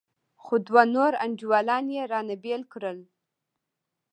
خو دوه نور انډيوالان يې رانه بېل کړل.